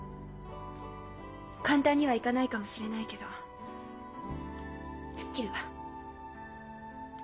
簡単にはいかないかもしれないけど吹っ切るわ。